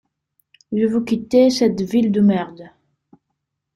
je veux quitter cette ville de merde.